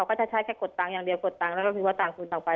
กดตังค์อย่างเดียวกดตังค์แล้วก็คิดว่าต่างคุณต่อไป